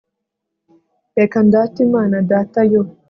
reka ndate imana data, yo